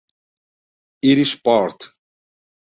Irish Part.